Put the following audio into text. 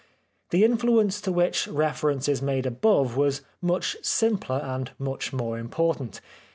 The influence to which reference is made above was much simpler and much more important.